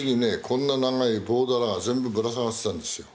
こんな長い棒だらが全部ぶら下がってたんですよ。